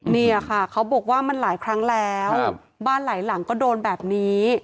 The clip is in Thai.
นี่ค่ะเขาบอกว่ามันหลายครั้งแล้วบ้านหลายหลังก็โดนแบบนี้